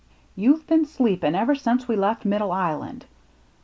"You've been sleepin' ever since we left Middle Island.